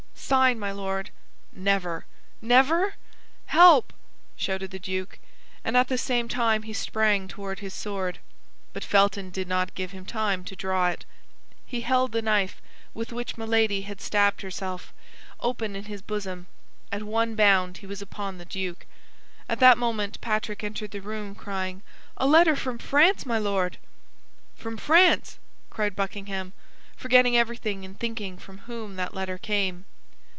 "Sign, my Lord!" "Never." "Never?" "Help!" shouted the duke; and at the same time he sprang toward his sword. But Felton did not give him time to draw it. He held the knife with which Milady had stabbed herself, open in his bosom; at one bound he was upon the duke. At that moment Patrick entered the room, crying, "A letter from France, my Lord." "From France!" cried Buckingham, forgetting everything in thinking from whom that letter came.